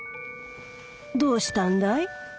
どうしたんだい？